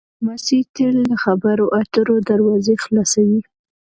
ډیپلوماسي تل د خبرو اترو دروازې خلاصوي.